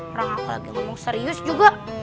orang aku lagi ngomong serius juga